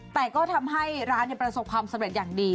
แต่ก็ทำให้ร้านประสบความสำเร็จอย่างดี